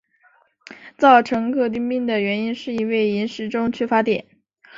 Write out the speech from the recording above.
造成克汀病的原因是因为饮食中缺乏碘。